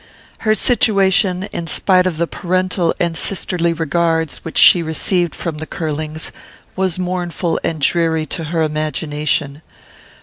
Her situation, in spite of the parental and sisterly regards which she received from the Curlings, was mournful and dreary to her imagination.